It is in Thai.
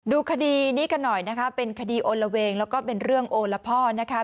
ดูคดีนี้กันหน่อยนะคะเป็นคดีโอละเวงแล้วก็เป็นเรื่องโอละพ่อนะคะ